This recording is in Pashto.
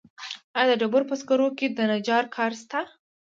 آیا د ډبرو په سکرو کې د نجار کار شته